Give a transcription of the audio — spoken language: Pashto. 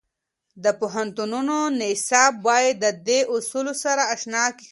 د پوهنتونو نصاب باید د دې اصولو سره اشنا کړي.